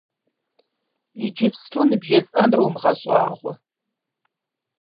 Иджыпсту ныбжесӀэнур умыгъэщӀагъуэ.